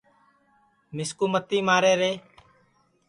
مِسکُو متی مارے رے